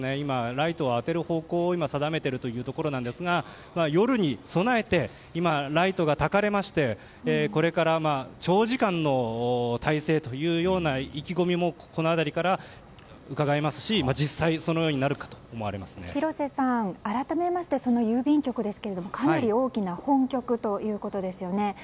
ライトを当てる方向を今、定めているというところですが夜に備えてライトがたかれましてこれから長時間の態勢というような意気込みもこの辺りからうかがえますし実際、そのようになるかと広瀬さん、改めましてその郵便局ですがかなり大きな本局ということですよね。